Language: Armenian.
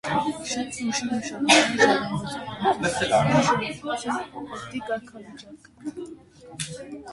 Շենքն ունի մշակութային ժառանգության տարածաշրջանային նշանակության օբյեկտի կարգավիճակ։